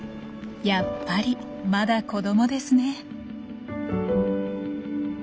やっぱりまだ子どもですね。